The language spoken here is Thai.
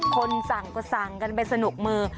คนสั่งก็สั่งกันไปสนุกมือ